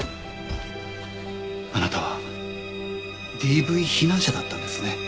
あなたはＤＶ避難者だったんですね。